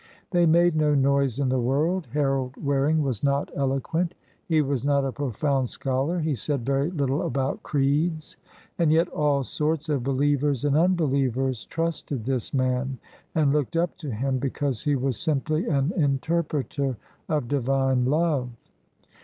They made no noise in the world. Harold Waring was not eloquent; he was not a profound scholar; he said very little about creeds. And yet all sorts of believers and unbelievers trusted this man, and looked up to him, because he was simply an interpreter of Divine love.